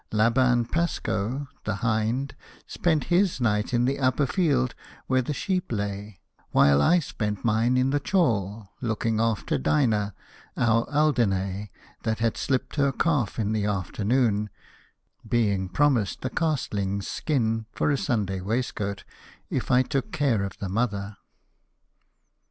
Laban Pascoe, the hind, spent his night in the upper field where the sheep lay, while I spent mine in the chall looking after Dinah, our Alderney, that had slipped her calf in the afternoon being promised the castling's skin for a Sunday waistcoat, if I took care of the mother.